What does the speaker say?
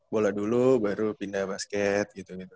bola dulu baru pindah basket gitu